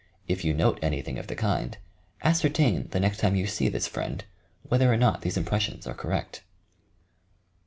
If you note anything of the kind, ascertain, the next time you see this friend, whether or not these impressions are correct.